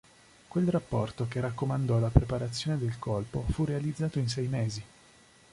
Quel rapporto, che raccomandò la preparazione del colpo, fu realizzato in sei mesi.